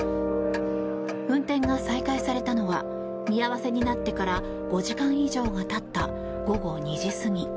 運転が再開されたのは見合わせになってから５時間以上が経った午後２時過ぎ。